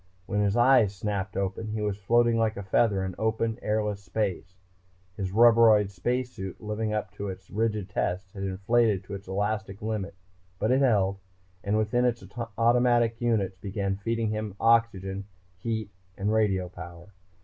When his eyes snapped open he was floating like a feather in open, airless space. His rubberoid space suit, living up to its rigid tests, had inflated to its elastic limit. But it held and within its automatic units began feeding him oxygen, heat and radio power.